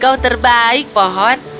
kau terbaik pohon